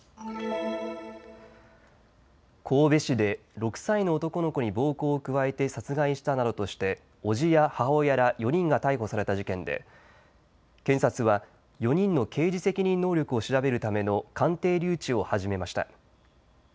神戸市で６歳の男の子に暴行を加えて殺害したなどとして叔父や母親ら４人が逮捕された事件で検察は４人の刑事責任能力を調べるための鑑定留置を始めました。